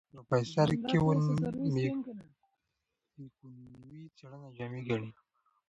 پروفیسر کیون میکونوی څېړنه جامع ګڼي.